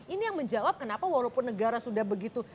ini yang menjawab kenapa walaupun negara sudah begitu